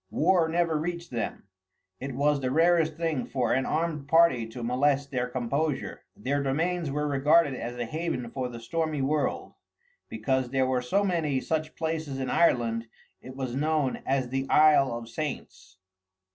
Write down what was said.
War never reached them; it was the rarest thing for an armed party to molest their composure; their domains were regarded as a haven for the stormy world. Because there were so many such places in Ireland, it was known as The Isle of Saints.